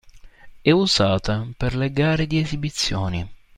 È usata per le gare di esibizioni.